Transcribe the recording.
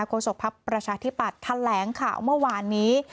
โกศกภัพย์ประชาธิปัตย์ทันแหลงข่าวเมื่อวานนี้